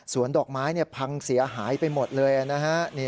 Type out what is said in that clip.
ส่วนดอกไม้พังเสียหายไปหมดเลยนะฮะ